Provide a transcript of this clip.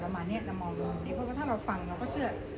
ประมาณนี้มามองในมุมดีเพราะถ้าเราฟังแล้วก็เชื่อ